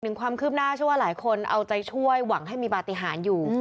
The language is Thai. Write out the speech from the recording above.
ความคืบหน้าเชื่อว่าหลายคนเอาใจช่วยหวังให้มีปฏิหารอยู่